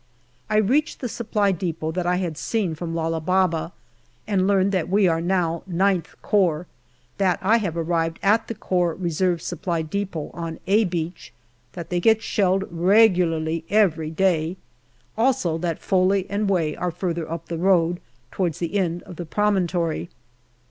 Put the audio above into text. I reach the Supply depot that I had seen from Lala Baba, and learn that we are now IXth Corps, that I have arrived at the Corps Reserve Supply depot on " A " Beach, that they get shelled regularly every day, also that Foley and Way are further up the road, towards the end of the promontory.